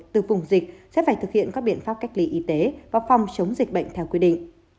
từ vùng dịch sẽ phải thực hiện các biện pháp cách ly y tế và phòng chống dịch bệnh theo quy định